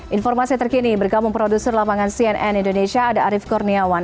informasi terkini bergabung produser lapangan cnn indonesia ada arief kurniawan